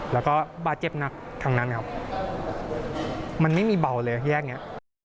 แล้วก็บาดเจ็บหนักทั้งนั้นนะครับมันไม่มีเบาเลยแยกนี้